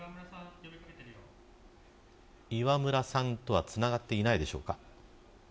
磐村さんとはつながっていないでしょうか。